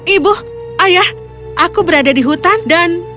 ibu ayah aku berada di hutan dan